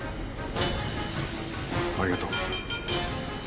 ありがとう。